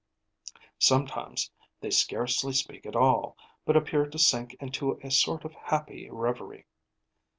Sometimes they scarcely speak at all, but appear to sink into a sort of happy reverie.